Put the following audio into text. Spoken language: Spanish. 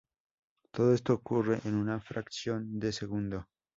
Todo esto ocurre en una fracción de segundo.